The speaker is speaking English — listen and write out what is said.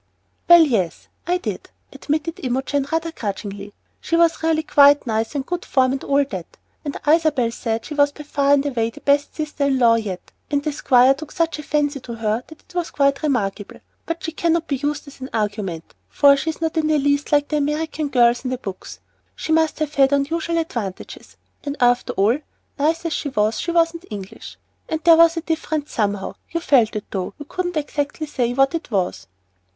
"Well, yes, I did," admitted Imogen, rather grudgingly. "She was really quite nice, and good form, and all that, and Isabel said she was far and away the best sister in law yet, and the Squire took such a fancy to her that it was quite remarkable. But she cannot be used as an argument, for she's not the least like the American girls in the books. She must have had unusual advantages. And after all, nice as she was, she wasn't English. There was a difference somehow, you felt it though you couldn't say exactly what it was."